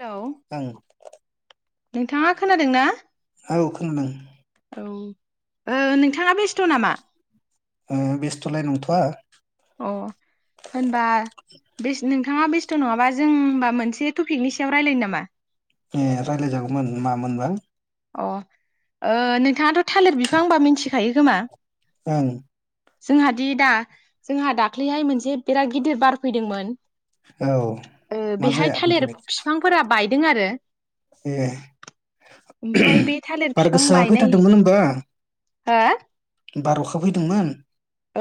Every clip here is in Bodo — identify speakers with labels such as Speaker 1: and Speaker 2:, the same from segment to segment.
Speaker 1: हेलौ
Speaker 2: ओं
Speaker 1: नोंथाङा खोनादों ना?
Speaker 2: औ खोनादों।
Speaker 1: औ ओ नोंथाङा बेस्थ नामा?
Speaker 2: बेस्थलाय नंथवा।
Speaker 1: अ होनबा बेस नोंथाङा बेस्थ नङाबा जों होनबा मोनसे टपिकनि सायाव रायलायनो नामा?
Speaker 2: ए रायलाय जागौमोन मामोनबा?
Speaker 1: अ ओ नोंथाङाथ' थालिर बिफां होनबा मिथिखायो खोमा
Speaker 2: ओं
Speaker 1: जोंहादि दा जोंहा दाख्लैहाय मोनसे बिराद गिदिर बार फैदोंमोन।
Speaker 2: औ
Speaker 1: ओ
Speaker 2: मा
Speaker 1: बेहाय
Speaker 2: जाया
Speaker 1: थालिर
Speaker 2: ओमफ्राय
Speaker 1: फिफांफोरा बायदों आरो। ओमफाय बे थालिर
Speaker 2: बारा गोसा फैथारदोंमोन होमबा?
Speaker 1: आ
Speaker 2: बार‌ अखा फैदोंमोन।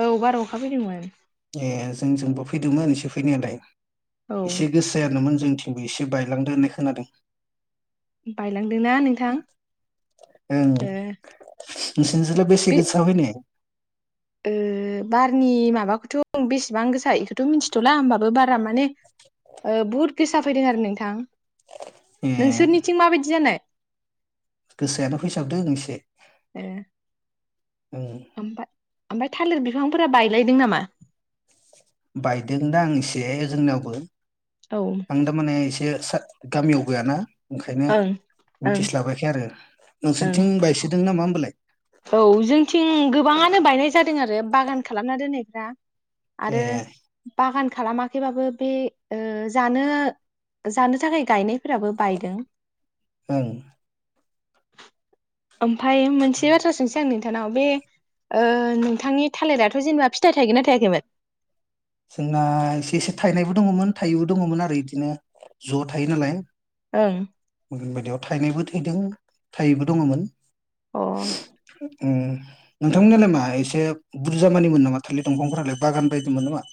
Speaker 1: औ बार अखा फैदोंमोन।
Speaker 2: ए जोंजोंबो फैदोंमोन एसे फैनायालाय।
Speaker 1: औ
Speaker 2: एसे गोसोयानोमोन। जोंथिंबो एसे बायलांदो होननाय खोनादों।
Speaker 1: बायलांदोंना नोंथां ओ
Speaker 2: नोंसोरो बेसे
Speaker 1: बे
Speaker 2: गोसा फैनाय?
Speaker 1: ओ बारनि माबाखौथ बेसेबां गोसा इखोथ मिथिथला होमबाबो बार बार माने आ बहत गोसा फैदों आरो नोंथां? नोंसोरनिथिं माबायदि जानाय?
Speaker 2: गोसायाथ फैसाबदों एसे।
Speaker 1: ए
Speaker 2: ओं
Speaker 1: ओमफाय ओमफाय थालिर बिफांफोरा बायलायदों नामा
Speaker 2: बायदों दा आं एसे जोंनियावबो
Speaker 1: औ ओं
Speaker 2: आं दारमाने एसे गामियाव गैयाना ओंखायनो
Speaker 1: ओं
Speaker 2: मिथिस्लाबाखै आरो
Speaker 1: ओं
Speaker 2: नोंसोरनिथिं बायसोदों नामा बोलाय
Speaker 1: औ जोंथिं गोबाङानो बायनाय जादों आरो बागान खालामना दोननायफ्रा आरो
Speaker 2: ए
Speaker 1: बागान खालामाखैबाबो बे ओ जानो जानो थाखाय गायनाय फोराबो बायदों
Speaker 2: ओं
Speaker 1: ओमफाय मोनसे मोनसे बाथ्रा सोंसै आं नोंथांनाव बे ओ नोंथांनि थालिराथ' जेनेबा फिथाइ थायगोन ना थायाखैमोन
Speaker 2: जोंना एसे एसे थाइनायबो दङमोन थायैबो दङमोन आरो बिदिनो ज' थायो नालाय
Speaker 1: ओं
Speaker 2: गुबुन बादियाव थायनायबो थैदों थाइयैबो दङमोन
Speaker 1: अ
Speaker 2: ओ नोंथांमोननियालाय मा एसे बुरजा मानिमोन नामा थालिर दंफांफोरालाय बागान बायदिमोन नामा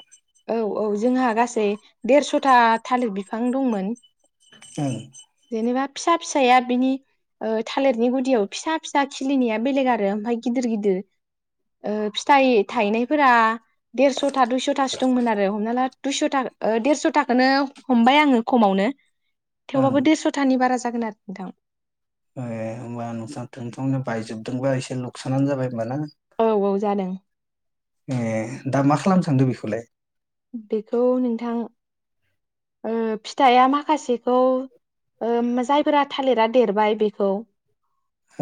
Speaker 1: औ औ जोंहा गासै देरस'था थालिर बिफां दंमोन
Speaker 2: ओम
Speaker 1: जेनेबा फिसा फिसाया ओ बिनि ओ थालिरनि गुदियाव फिसा फिसा खिलिनाया बेलेग आरो ओमफ्राय गिदिर गिदिर फिथाइ थायनायफोरा देरस'था दुइस'थासो दंमोन आरो हमना ला दुइसथा देरस'थाखौननो हमबाय आङो खमावनो
Speaker 2: ओं
Speaker 1: थेवबाबो देस थानि बारा जागोन आरो नोंथां
Speaker 2: ए होनबा नोंसा थों थोंनो बायजोबदोंबा एसे लुकसानानो जाबाय होमबा ना
Speaker 1: औ औ जादों
Speaker 2: ए दा मा खालामनो सानदों बेखौलाय
Speaker 1: बेखौ नोंथां ओ फिथाइया माखासेखौ ओ जायफोरा थालिरा देरबाय बेखौ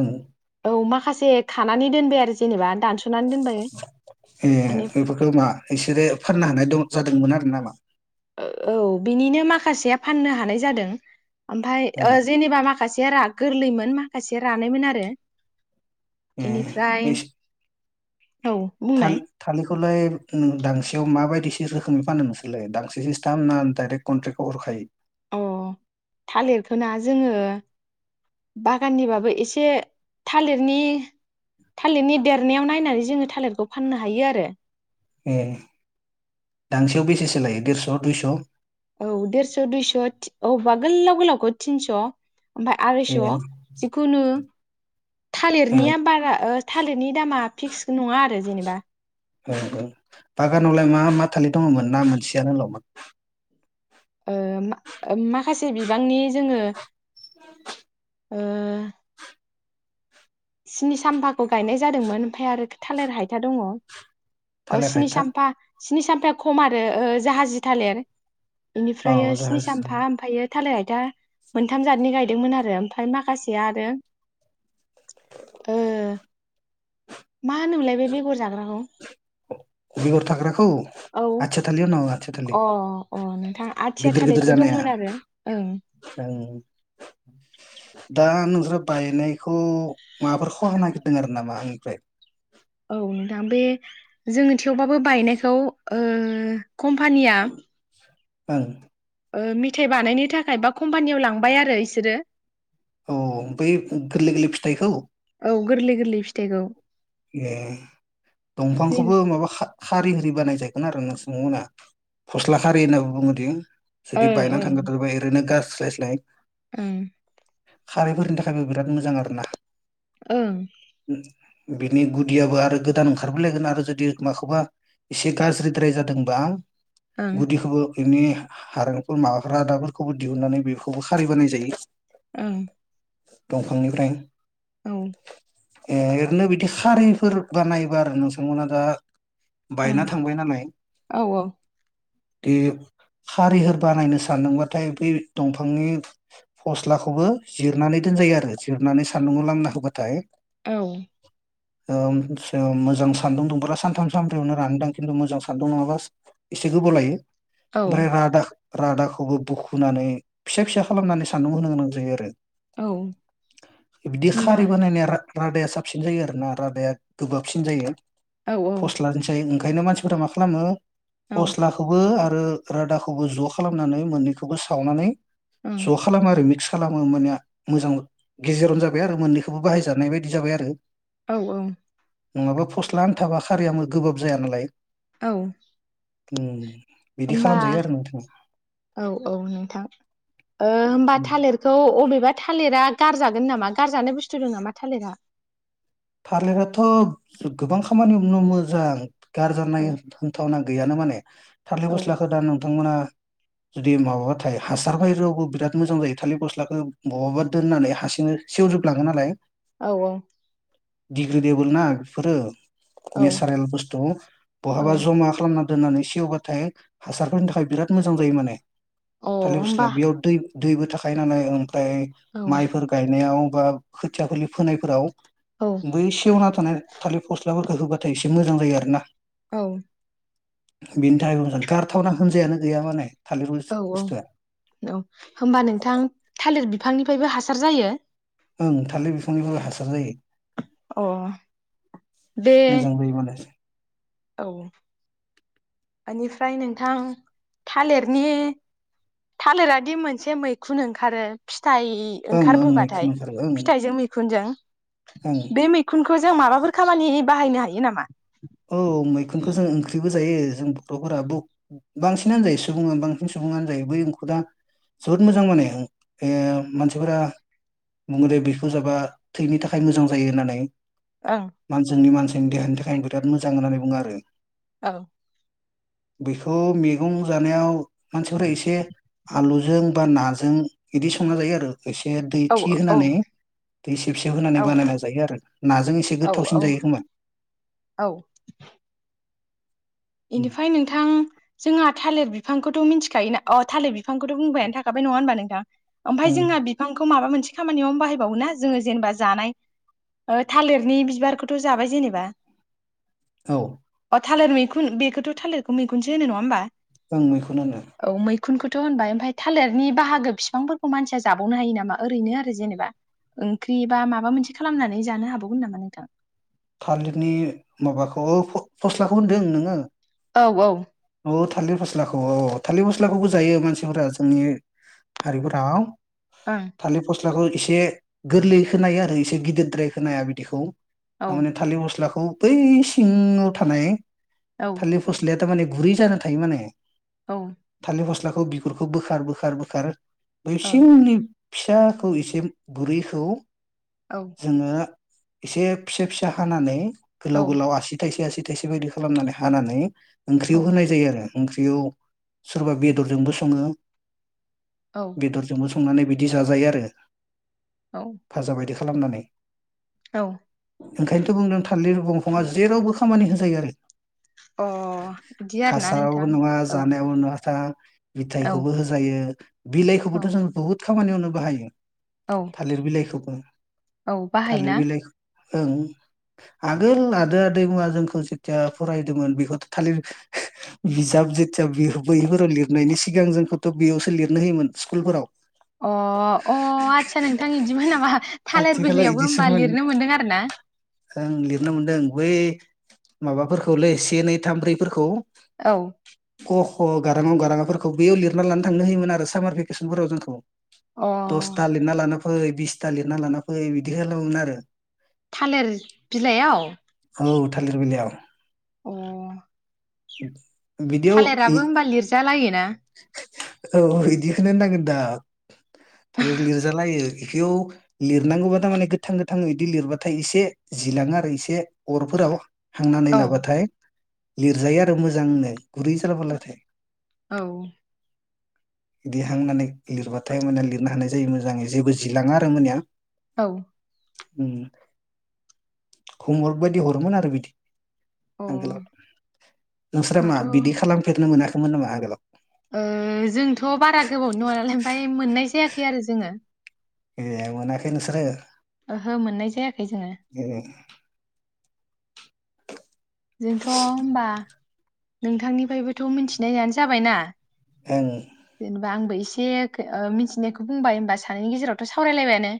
Speaker 2: ओं
Speaker 1: औ माखासे खानानै दोनबाय आरो जेनेबा दानस'नानै दोनबाय
Speaker 2: ए
Speaker 1: माने
Speaker 2: बेफोरखौ मा बिसोरो फाननो हानाय दं जादोंमोन आरो नाला
Speaker 1: औ बिनिनो माखासेया फाननो हानाय जादों ओमफाय
Speaker 2: ओं
Speaker 1: ओ जेनेबा माखासे जेरा गोरलैमोन माखासे रानायमोन आरो
Speaker 2: ए
Speaker 1: बेनिफ्राय
Speaker 2: एस
Speaker 1: औ
Speaker 2: थान
Speaker 1: बुंनाय
Speaker 2: थालिर खौलाय नों दांसेयाव माबायदि से रोखोमै फानो नोंसोरलाय दांसे सिस्टाम ना डाइरेक्ट कनट्रेक्टयाव हरखायो
Speaker 1: अ थालिरखौना जोङो बागाननिबाबो एसे थालिरनि थालिरनि देरनायाव नायनानै जोङो थालिरखौ फाननो हायो आरो।
Speaker 2: ए दांसेयाव बेसेसो लायो देरस' दुइस'
Speaker 1: औ देरस' दुइस' थि औबा गोलाव गोलावखौ थिनस' ओमफाय
Speaker 2: ए
Speaker 1: आरायस' जिखुनु
Speaker 2: ए ओ
Speaker 1: थालिरनिया बारा ओह थालिनि दामा फिस्क नङा आरो जेनेबा।
Speaker 2: ओं ओं बागानावलाय मा मा थालिर दङमोन ना मोनसेयानो ल'मोन?
Speaker 1: ओ मा ओ माखासे बिबांनि जोङो ओ सिनि सामफाखौ गायनाय जादोंमोन ओमफाय आरो थालिर हायथा दङ। ओ
Speaker 2: थालिर
Speaker 1: सिनि
Speaker 2: हायथा
Speaker 1: सामफा सिनि सामफाया खम आरो ओ जाहाजि थालेर
Speaker 2: अ
Speaker 1: इनिफ्रायो स्नि
Speaker 2: जाहाज
Speaker 1: सामपा ओमफायो थालेद। दा मोनथाम जादनि गायदोंमोन आरो ओमफ्राय माखासेया आरो ओ मा होनोमोनलाय बै बेगर जाग्राखौ
Speaker 2: बेगर थाग्रा औ
Speaker 1: औ
Speaker 2: आथिया थालिर नङाबा
Speaker 1: अ अ नोंथां आथिया
Speaker 2: गिदिर
Speaker 1: थालिरबो
Speaker 2: जानाया
Speaker 1: दंमोन आरो ओं
Speaker 2: ओं दा नोंसोर बायनायखौ माबाफोर खहा नागिरदों आरो नामा आंनिफ्राय?
Speaker 1: दा बे जोङो थेवबाबो बायनायखौ ओह कम्पानिया
Speaker 2: ओं
Speaker 1: ओह मिथाइ बानायनो थाखाय बा कम्पानियाव लांबाय आरो इसोरो
Speaker 2: औ बै गोरलै गोरलै फिथाइखौ?
Speaker 1: औ गोरलै गोरलै फिथाइखौ
Speaker 2: ए
Speaker 1: जेन
Speaker 2: दंफांखौबो माबा खा खारि हिरि बानायजायगोन आरो नोंथांमोना फस्ला खारि होनना बुङोदि
Speaker 1: ओं
Speaker 2: जुदि बायना थांग्रो थारबाय ओरैनो गाज स्लाय स्लाय
Speaker 1: उम
Speaker 2: खारैफोरनि थाखायबो बिराद मोजां आरो ना।
Speaker 1: ओं
Speaker 2: बिनि गुदियाबो आरो गोदान ओंखारबोलायगोन आरो जुदि माखौबा एसे गाज्रिद्राय जादोंबा
Speaker 1: ओं
Speaker 2: गुदिखौबो इनि हारेंफोर माबा रादाफोरखौबो दिहुननानै बेखौबो खारैबानाय जायो
Speaker 1: ओं
Speaker 2: दंफांनिफ्राय
Speaker 1: औ
Speaker 2: [unintelligible] ओरैनो बिदि खारैफोर बानायोबा आरो नोंथां मोनहा दा बायना थांबाय नालाय।
Speaker 1: औ ओं
Speaker 2: बे खारिहोर बानायनो सान्दोंबाथाय बै दंफांनि फस्लाखौबो जिरनानै दोनजायो आरो जिरनानै सान्दुंआव लांना होबाथाय
Speaker 1: औ
Speaker 2: ओ मोजां सान्दुं दुंबाथाय सानथाम सानब्रैयावनो रानोदां खिन्थु मोजां सान्दुं नङाबा एसे गोबाव लायो। ओमफ्राय
Speaker 1: औ
Speaker 2: राधा रादाखौबो बुखुनानै फिसा फिसा खालामनानै सान्दुं होनो गोनां जायो आरो।
Speaker 1: औ
Speaker 2: बिदि
Speaker 1: होमबा
Speaker 2: खारै बानायनाया रादाया साबसिन जायो आरोना रादाया
Speaker 1: औ
Speaker 2: पस्टलानिसाय ओंखायनो मानसिफोरा मा खालामो फस्लाखौबो आरो आरो रोदाखौबो ज' खालामनानै मोननैखौबो सावनानै
Speaker 1: ओं
Speaker 2: ज' खालामो आरो मिक्स खालामो होमबानिया मोजां गेजेरावनो जाबाय आरो मोननैखौबो बाहायजानाय बायदि जाबाय आरो
Speaker 1: औ औ
Speaker 2: नङाबा फस्ला आन्थाबा खारिया गोबाब जाया नालाय
Speaker 1: औ
Speaker 2: उम बिदि
Speaker 1: होनबा
Speaker 2: खालामजायो आरो नोंथाङा
Speaker 1: औ औ नोंथां होमबा थालिरखौ अबेबा थालिरा गारजागोन नामा गारजानाय बुस्थु दं नामा थालिरा?
Speaker 2: थालेराथ' गोबां खामानियावनो मोजां
Speaker 1: औ
Speaker 2: गारजानाय होनथावना गैयानो माने थालिर
Speaker 1: औ
Speaker 2: फस्लाखौ दा नोंथांमोना जुदि माबाबाथाय हासार बाहेरावबो बिराद मोजां जायो थालिर फस्लाखौ बबहाबा दोननानै हारसिंनो सेवजोबलाङो नालाय
Speaker 1: औ औ
Speaker 2: दिडिग्रि देबोल ना बेफोरो
Speaker 1: औ
Speaker 2: नेचारेल बुस्थु बहाबा
Speaker 1: औ
Speaker 2: जमा खालामना दोननानै सेवबाथाय हासारफोरनि थाखाय बिराद मोजां जायो माने
Speaker 1: अ
Speaker 2: थालिर
Speaker 1: होमबा
Speaker 2: फस्लाया बेयाव दै दैबो थाखायायो नालाय थाय
Speaker 1: औ
Speaker 2: माइफोर गायनायाव बा खोथिया खोलि फोनायफोराव बै सेवना थानाय खालि फस्लाफोरखौ होबाथाय एसे मोजां जायो आरो ना
Speaker 1: औ
Speaker 2: बिनि थाखायबो मजां गारथावना होनजायानो गैया माने थालिर
Speaker 1: औ औ औ
Speaker 2: बुस्थुआ
Speaker 1: होनोमबा नोंथां थालिर बि बिफांनिफ्रायबो हासार जायो
Speaker 2: ओं थालिर बिफांनिफोय हासार जायो
Speaker 1: अ दे
Speaker 2: मोजां जायो माने
Speaker 1: औ बेनिफ्राय नोंथां थालिरनि थालिरादि मोनसे मैखुन ओंखारो फिथाइ
Speaker 2: ओं ओं मैखुन
Speaker 1: ओंखारबोबाथाय
Speaker 2: ओंखारो ओं
Speaker 1: फिथाइजों मैखुनजों
Speaker 2: ओं
Speaker 1: बे मैखुनखौ जों माबाफोर खामानि थाखाय बाहायनो हायो नामा
Speaker 2: औ मैखुनखौ जों ओंख्रिबो जायो जों बथ'फोरा बांसिनानो जायो सुबुङा बांसिन सुबुङानो जायो बै म खुना जोबोद मोजां माने मानसिफोरा बुङो दे बेखौ जाबा थैनि थाखाय मोजां जायो होननानै
Speaker 1: ओं
Speaker 2: मानसिनि मानसि देहानि थाखाय बिराद मोजां होननानै बुङो आरो
Speaker 1: औ
Speaker 2: बेखौ मैगं जानायाव मानसिफोरा एसे आलुजों बा नाजों बिदि संना जायो आरो एसे दै
Speaker 1: औ
Speaker 2: थि
Speaker 1: औ
Speaker 2: होनानै दै सेब सेब होनानै
Speaker 1: औ
Speaker 2: बानायना जायो आरो नाजों एसे
Speaker 1: औ
Speaker 2: गोथावसिन
Speaker 1: औ
Speaker 2: जायो होनोमबा
Speaker 1: औ बेनिफ्राय नोंथां जोंहा थालिर बिफां बिफांखौथ' मिथिखायो ना अह थालिर बिफांखौथ' बुंबायानो थाखाबाय नङा होनबा नोंथां ओमफ्राय
Speaker 2: ओं
Speaker 1: जोंहा बिफांखौ माबा मोन- मोनसे खामानियावनो बाहायबावा जोङो जेनेबा जानाय थालिरनि बिबारखौथ' जाबाय जेनेबा
Speaker 2: औ
Speaker 1: अ थालिर मैखुन खुन बेखौथ' थालिरखौ मैखुनसो होनो नङा होनोमबा
Speaker 2: आं मैखुन होनो
Speaker 1: मैखुनखौथ' होनबाय ओमफफ्राय थालिरनि बाहागो बिफांफोरखौ मानसिया जाबावनो हायो नामा ओरैनो आरो जेनेबा ओंख्रि बा माबा मोनसे खालामनानै जानो हाबावगोन नामा नोंथां
Speaker 2: थालिरनि माबाखौ फस्लाखौ होनदों नोङो
Speaker 1: औ औ
Speaker 2: औ थालिर फस्लाखौ औ थालिर फस्लाखौबो जायो मानसिफोरा जोंनि हारिफोराव
Speaker 1: ओं
Speaker 2: थालिर पस्ला बाथ्राखौ एसे गोरलै खोनाया आरो एसे गिदिरद्राय खोनाया बिदिखौ
Speaker 1: औ
Speaker 2: थारमाने थालिर फस्लाखौ बै सिङाव थानाय
Speaker 1: औ
Speaker 2: थालिर फस्लाया थारमाने गुरै जानो थायो माने
Speaker 1: औ ओं
Speaker 2: थलिर फस्ला [unintelligible] खौ बिगुरखौ बोखार बोखार बोखार
Speaker 1: औ
Speaker 2: बैसिंनि फिसाखौ एसे गुरैखौ
Speaker 1: औ
Speaker 2: जोङो एसे फिसा फिसा हानानै
Speaker 1: औ
Speaker 2: गोलाव गोलाव आसि थाइसे आसि थायसे बायदि खालामनानै हानानै ओंख्रियाव होनाय जायो आरो ओंख्रियाव सोरबा बेदरजोंबो सङो बेदरजोंबो सं संनानै बिदि जाजायो आरो
Speaker 1: औ
Speaker 2: भाजा बायदि खालामनानै
Speaker 1: औ
Speaker 2: ओंखायनोथ' बुंदों थालदिर दंफाङा जेरावबो खामानि होजायो आरो
Speaker 1: अ बिदि आरोना
Speaker 2: हासाराव
Speaker 1: नोंथां
Speaker 2: नङा
Speaker 1: औ
Speaker 2: जानायाव नङा था
Speaker 1: औ
Speaker 2: बिथायखौबो होजायो
Speaker 1: औ
Speaker 2: बिलाइखौबोथ' जों बुहुथ खामानियावनो बाहायो
Speaker 1: औ
Speaker 2: थालिर बिलाइखौ बुं
Speaker 1: औ
Speaker 2: थालिर
Speaker 1: बाहायोना
Speaker 2: बिलाइ ओं आगोल आदै आदै मुवा जोंखौ जेथिया फरायदोंमोन बेखौथ' थालिर बिजाब जेथिया बे बैफोराव लिरनायनि सिगां जोंखौथ' बेयावसो लिरनो होयोमोन स्कुलफोराव
Speaker 1: अ अ आस्सा नोंथां बिदिमोन नामा थालिर
Speaker 2: आथिखालाव
Speaker 1: बिलाइयावबो होनबा
Speaker 2: इदिसोमोन
Speaker 1: लिरनो मोनदों आरो ना।
Speaker 2: ओं लिरनो मोनदों बै माबाफोरखौलै से नै थाम ब्रैफोरखौ
Speaker 1: औ
Speaker 2: क ख गारां अ गारां आ खौ बेयाव लिरना लानो थांनो होयोमोन आरो सामार भेकेसनफोराव जोंखौ
Speaker 1: अ
Speaker 2: दसथा लिना लाना फै बिसथा लिरना लाना फै बिदि खालामोमोन आरो
Speaker 1: थालिर बिलाइयाव
Speaker 2: औ थालिर बिलाइआव
Speaker 1: अ
Speaker 2: इदि
Speaker 1: थालिराबो होनबा लिरजा लायो। ना
Speaker 2: औ बिदिखौनो होननांगोन दा थालिर लिरजालायो बेयाव लिरनांगौबा थारमाने गोथां गोथां इदि लिरबाथाय एसे जिलाङो आरो इसे अरफोराव हांनानै
Speaker 1: औ
Speaker 2: लाबाथाय लिरजायो आरो मोजांनो गुरै जारला बाथाय
Speaker 1: औ
Speaker 2: बिदि हांनानै लिरबाथाय ओमबानिया लिरनो हानाय जायो मोजाङै जेबो जिलाङा आरो ओमबानिया
Speaker 1: औ
Speaker 2: उम खमल बायदि हरोमोन आरो बिदि
Speaker 1: होमबाथ'
Speaker 2: आगोलाव नोंसोर मा
Speaker 1: ओ
Speaker 2: बिदि खालामफेरनो मोना खोमोन नामा आगोलाव
Speaker 1: जोंथ' बारा गोबावनि नङा नालाय ओमफाय मोननाय जायाखै आरो जोङो
Speaker 2: ए मोनाखै नोंसोरो ए
Speaker 1: ओहो मोननाय जायाखै जोङो जोंथ' होनबा नोंथांनिफ्रायबोथ' मिथिनायानो जाबायना
Speaker 2: ओं
Speaker 1: होमबा आंबो एसे ओ मिथिनायखौ बुंबाय होमबा सानैनि गेजेरावथ' सावरायलायबायानो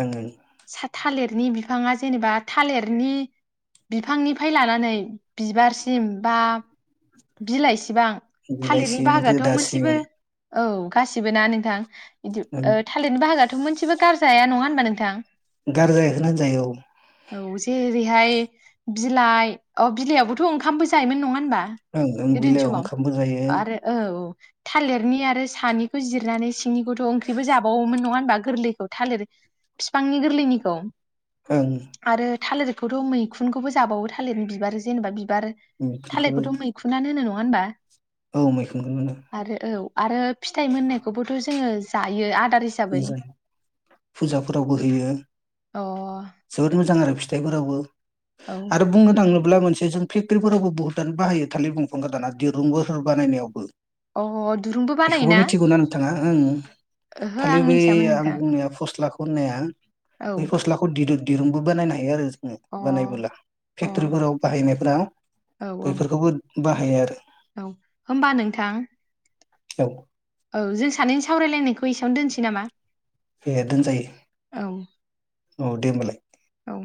Speaker 2: ओं ओं
Speaker 1: सा थालिरनि बिफाङा जेनेबा थालिरनि बिफांनि फाय लानानै बिबारसिम बा बिलाइ बेसेबां थालिरनि
Speaker 2: बेलाइसिम
Speaker 1: बाहागोआथ'
Speaker 2: रोदासिम
Speaker 1: मोनसेबो औ गासिबो ना नोंथां बिदि
Speaker 2: ओं
Speaker 1: ओ थालिरनि बाहागोआथ' मोनसेबो गारजाया नङा होनबा नोंथां?
Speaker 2: गारजायैखौनो होनजायो औ
Speaker 1: औ जेरैहाय बिलाइ अ बिलाइयावबोथ' ओंखामबो जायोमोन नङा होनबा
Speaker 2: ओं ओं
Speaker 1: गोदोनि
Speaker 2: बिलाइयाव
Speaker 1: समाव
Speaker 2: ओंखामबो जायो
Speaker 1: आरो औ औ थालिरनि आरो सानिखौ जिरनानै बिनिखौथ' ओंख्रिबो जाबावोमोन नङा होनबा गोरलैखौ थालिर बिफांनि गोरलैनिखौ
Speaker 2: ओं
Speaker 1: आरो थालिरखौथ' मैखुन खौबो जाबावो थालिरनि बिबार जेनेबा बि बिबार
Speaker 2: मैखुनखौबो
Speaker 1: थालिरखौथ' मैखुनना नो होनो न नङा होनबा
Speaker 2: औ मैखुनखौ मोनो
Speaker 1: आरो औ आरो फिथाइ मोननायखौबोथ जोङो जायो आरो।
Speaker 2: मोजां फुजाफोरावबो होयो
Speaker 1: अ
Speaker 2: जोबोद मोजां आरो फि फिथाइ फोरावबो
Speaker 1: औ
Speaker 2: आरो बुंनो थाङोब्ला मोन एसे जों फेक्टरिफोरावबो बहुतआनो बाहायो थालिर बंफांखौ दानिया दिरुं बोहोर बानाय नायावबो
Speaker 1: अ दुरुंबो बानायोना
Speaker 2: ओं
Speaker 1: ओहो आं
Speaker 2: थालि बै
Speaker 1: मिथियामोन
Speaker 2: आं
Speaker 1: नोंथां
Speaker 2: बुंनाया फस्लाखौ खननाया
Speaker 1: औ
Speaker 2: बे फस्लाखौ दि दो। दिरुंबो बानायनो हायो आरो।
Speaker 1: अ
Speaker 2: बानायबोला
Speaker 1: अ औ
Speaker 2: फेक्टरिफोराव बाहायनाय फ्राव
Speaker 1: औ
Speaker 2: बेैफोरखौबो बाहायो आरो।
Speaker 1: औ होनबा नोंथां
Speaker 2: औ
Speaker 1: औ जों सानैनि सावरायलायनायखौ एसेयावनो दोनसै नामा?
Speaker 2: बे
Speaker 1: औ
Speaker 2: दोनजायो औ दे होनबालाय।
Speaker 1: औ